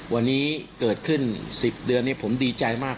วันนี้เกิดขึ้น๑๐เดือนนี้ผมดีใจมาก